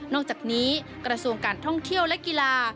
อกจากนี้กระทรวงการท่องเที่ยวและกีฬา